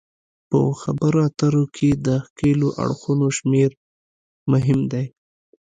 په خبرو اترو کې د ښکیلو اړخونو شمیر مهم دی